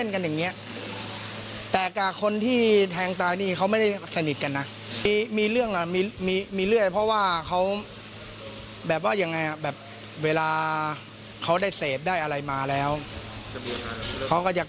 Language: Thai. มีเขายังมีมีดประจำบางครั้งมันเหน็ด